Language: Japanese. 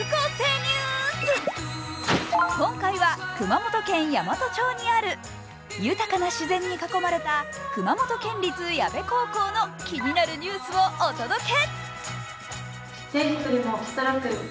今回は熊本県山都町にある豊かな自然に囲まれた熊本県立矢部高校の気になるニュースをお届け。